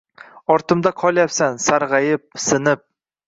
Ortimda qolyapsan sarg‘ayib, sinib.